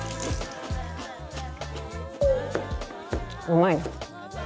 うまいな。